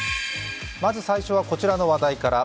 まず最初はこちらの話題から。